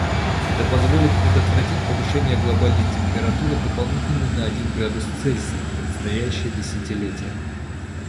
Это позволит предотвратить повышение глобальной температуры дополнительно на один градус Цельсия в предстоящие десятилетия.